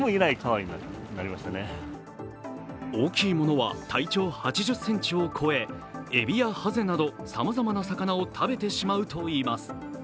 大きいものは体長８０ｃｍを超ええびやハゼなど、さまざまな魚を食べてしまうといいます。